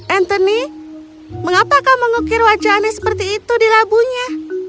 anthony mengapa kau mengukir wajah aneh seperti itu di labunya